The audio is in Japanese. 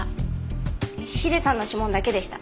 ヒデさんの指紋だけでした。